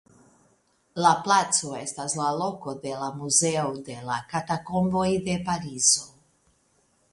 La placo estas la loko de la muzeo de la Katakomboj de Parizo.